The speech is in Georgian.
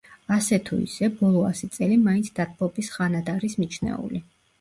ასე თუ ისე, ბოლო ასი წელი მაინც დათბობის ხანად არის მიჩნეული.